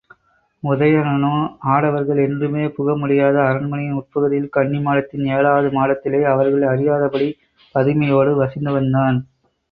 உதயணனோ ஆடவர்கள் என்றுமே புகமுடியாத அரண்மனையின் உட்பகுதியில், கன்னிமாடத்தின் ஏழாவது மாடத்திலே, அவர்கள் அறியாதபடி பதுமையோடு வசித்து வந்தான்.